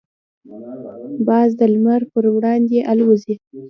باز د لمر پر وړاندې الوزي.